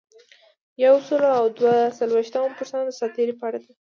یو سل او دوه څلویښتمه پوښتنه د دساتیر په اړه ده.